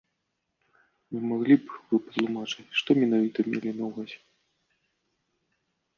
Не маглі б вы патлумачыць, што менавіта мелі на ўвазе?